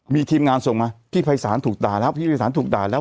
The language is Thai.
มีทีมงานส่งมาพี่ภัยศาลถูกด่าแล้วพี่ภัยศาลถูกด่าแล้ว